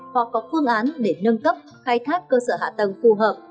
hoặc có phương án để nâng cấp khai thác cơ sở hạ tầng phù hợp